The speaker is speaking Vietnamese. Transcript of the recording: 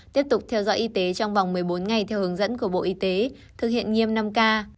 tiếp tục theo dõi y tế trong vòng một mươi bốn ngày theo hướng dẫn của bộ y tế thực hiện nghiêm năm k